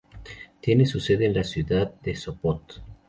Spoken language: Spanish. Tiene su sede en la ciudad de Sopot.